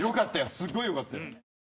すごいよかったよ。